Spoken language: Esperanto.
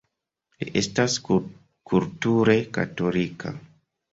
Li estas kulture katolika.